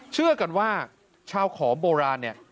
เชื่อกันว่าชาวขอมโบราณ